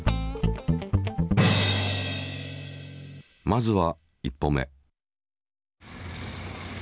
まずは１歩目。